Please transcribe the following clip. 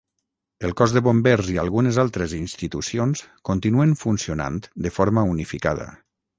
El cos de bombers i algunes altres institucions continuen funcionant de forma unificada.